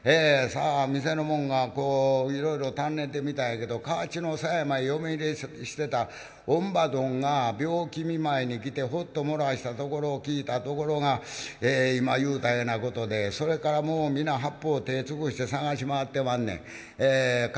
店の者がいろいろ尋ねてみたんやけど河内の狭山へ嫁入りしてた乳母どんが病気見舞いに来てフッと漏らしたところを聞いたところが今言うたようなことでそれから皆八方手ぇ尽くして捜し回ってまんねん。